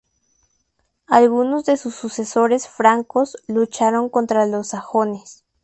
Algunos de sus sucesores francos lucharon contra los sajones.